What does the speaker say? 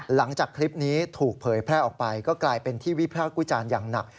หลังจากคลิปนี้ถูกเผยแพร่ออกไปก็กลายเป็นที่วิพากษ์วิจารณ์อย่างหนัก